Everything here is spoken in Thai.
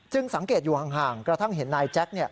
สังเกตอยู่ห่างกระทั่งเห็นนายแจ๊ค